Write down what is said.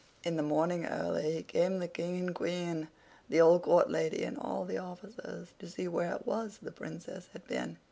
In the morning early came the King and Queen, the old court lady and all the officers, to see where it was the Princess had been.